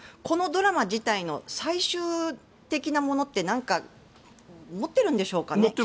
このドラマ自体の最終的なものって何か持ってるんでしょうかね。